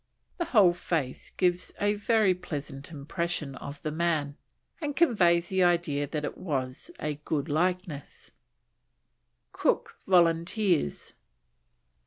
The whole face gives a very pleasant impression of the man, and conveys the idea that it was a good likeness. COOK VOLUNTEERS.